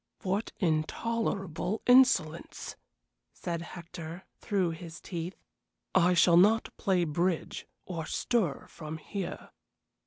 "What intolerable insolence!" said Hector, through his teeth. "I shall not play bridge or stir from here."